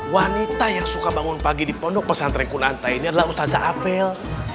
wanita yang suka bangun pagi di pondok pesantren kunanta ini adalah ustazah apel